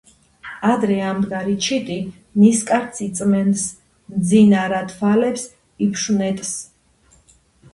ადრე ამდგარი ჩიტი ნისკარტს იწმენდს, მძინარა თვალებს იფშვნეტს